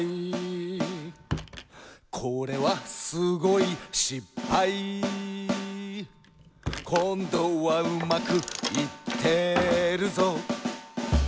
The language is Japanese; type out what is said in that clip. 「これはすごいしっぱい」「こんどはうまくいってるぞ」